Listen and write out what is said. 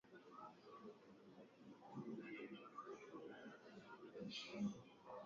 basi ni fursa yao nikushukuru sana edwin david